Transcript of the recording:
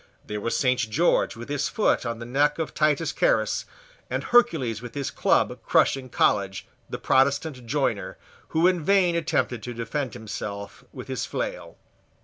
There was Saint George with his foot on the neck of Titus Cares, and Hercules with his club crushing College, the Protestant joiner, who in vain attempted to defend himself with his flail.